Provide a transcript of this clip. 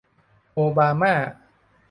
โอบาม่า